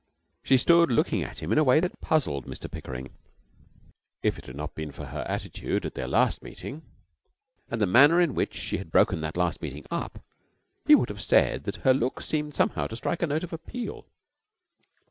She stood looking at him in a way that puzzled Mr Pickering. If it had not been for her attitude at their last meeting and the manner in which she had broken that last meeting up, he would have said that her look seemed somehow to strike a note of appeal.